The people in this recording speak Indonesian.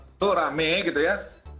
itu rame gitu ya